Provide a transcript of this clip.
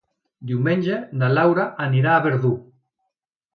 Diumenge na Laura anirà a Verdú.